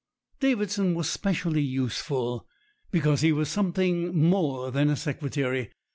Davidson was specially useful, because he was some thing more than a secretary.